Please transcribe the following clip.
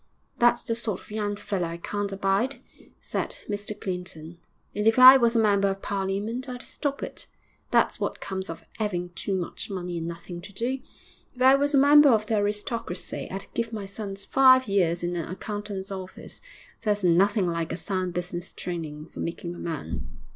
'That's the sort of young feller I can't abide,' said Mr Clinton. 'And if I was a member of Parliament I'd stop it. That's what comes of 'aving too much money and nothing to do. If I was a member of the aristocracy I'd give my sons five years in an accountant's office. There's nothing like a sound business training for making a man.'